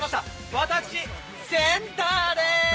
私、センターです。